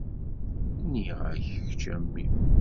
Nniɣ-ak kečč a mmi.